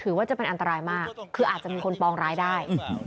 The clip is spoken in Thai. ว่าจะเป็นอันตรายมากคืออาจจะมีคนปองร้ายได้